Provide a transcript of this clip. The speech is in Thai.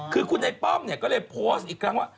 คือคุณไอ้ป้อมเนี่ยก็เลยโพสต์อีกครั้งว่า